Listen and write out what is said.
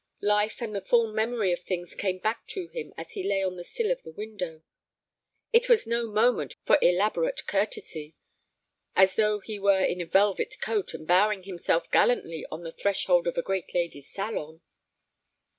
Life and the full memory of things came back to him as he lay on the sill of the window. It was no moment for elaborate curtesy, as though he were in a velvet coat and bowing himself gallantly on the threshold of a great lady's salon.